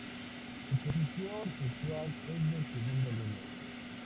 Su posición usual es de segunda línea.